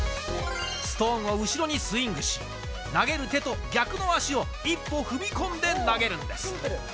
ストーンを後ろにスイングし、投げる手と逆の足を一歩踏み込んで投げるんです。